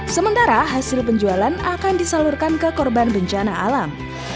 sementara hasil penjualan akan disalurkan ke korban bencana alam